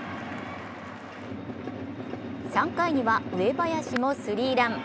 ３回には上林もスリーラン。